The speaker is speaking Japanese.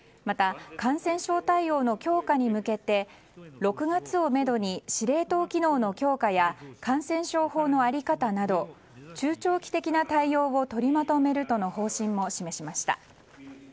また、感染症対応の強化に向けて６月をめどに司令塔機能の強化や感染症法の在り方など中長期的な対応を取りまとめるとの方針を示しました。